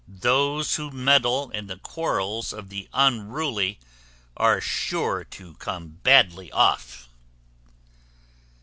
"Those who meddle in the quarrels of the unruly are sure to come badly off."